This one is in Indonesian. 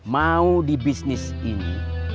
mau di bisnis ini